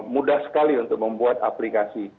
mudah sekali untuk membuat aplikasi